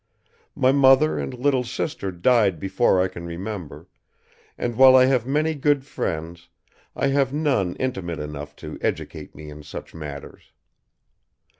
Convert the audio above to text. My mother and little sister died before I can remember; and while I have many good friends, I have none intimate enough to educate me in such matters.